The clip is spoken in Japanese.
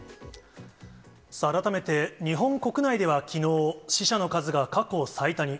さあ、改めて日本国内ではきのう、死者の数が過去最多に。